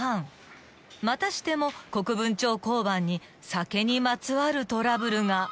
［またしても国分町交番に酒にまつわるトラブルが］